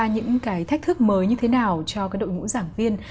những cái thách thức mới như thế nào cho cái đội ngũ giảng viên